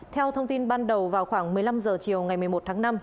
theo thông tin ban đầu vào khoảng một mươi năm h chiều ngày một mươi một tháng năm